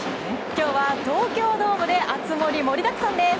今日は東京ドームで熱盛、盛りだくさんです。